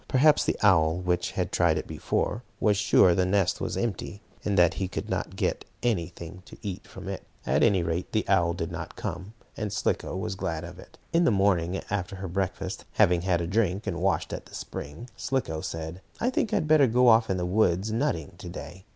Perhaps the owl, which had tried it before, was sure the nest was empty, and that he could not get anything to eat from it. At any rate the owl did not come, and Slicko was glad of it. In the morning, after her breakfast, having had a drink and washed at the spring, Slicko said: "I think I had better go off in the woods nutting, to day.